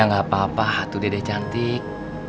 gak apa apa hatu dede cantik